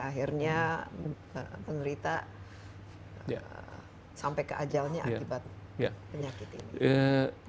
akhirnya penderita sampai ke ajalnya akibat penyakit ini